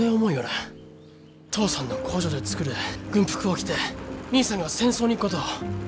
父さんの工場で作る軍服を着て兄さんが戦争に行くことを。